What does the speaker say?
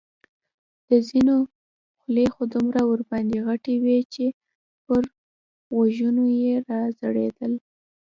د ځینو خولۍ خو دومره ورباندې غټې وې چې پر غوږو یې را ځړېدلې.